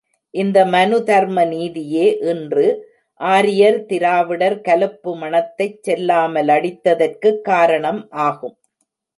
இந்த மனுதர்ம நீதியே, இன்று ஆரியர் திராவிடர் கலப்பு மணத்தைச் செல்லாமலடித்ததற்கு காரணம் ஆகும்.